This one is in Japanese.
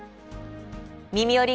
「みみより！